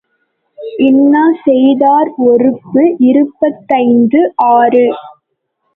இன்னா செய்தார்க்கு ஒறுப்பு இருபத்தைந்து ஆறு.